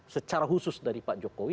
secara khusus dari pak jokowi